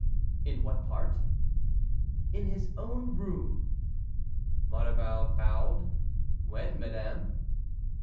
"In what part?" "In his own room." Maurevel bowed. "When, madame?"